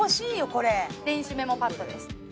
これ電子メモパッドです